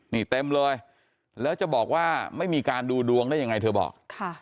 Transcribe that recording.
นี่เต็มเลยแล้วจะบอกว่าไม่มีการดูดวงได้ยังไงเธอบอก